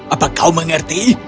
apa kau mengerti